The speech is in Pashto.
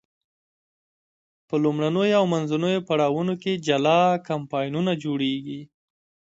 په لومړنیو او منځنیو پړاوونو کې جلا کمپاینونه جوړیږي.